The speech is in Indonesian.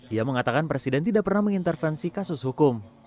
ia mengatakan presiden tidak pernah mengintervensi kasus hukum